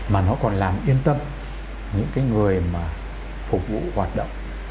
mà nó còn làm yên tâm những người phục vụ hoạt động